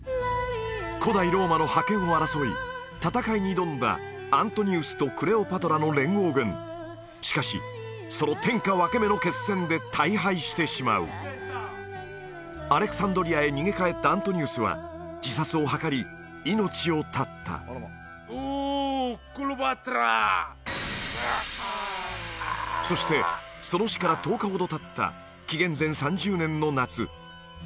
古代ローマの覇権を争い戦いに挑んだアントニウスとクレオパトラの連合軍しかしその天下分け目の決戦で大敗してしまうアレクサンドリアへ逃げ帰ったアントニウスは自殺を図り命を絶ったそしてその死から１０日ほどたった紀元前３０年の夏